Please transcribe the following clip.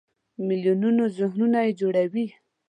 د میلیونونو ذهنونه یې جوړوي.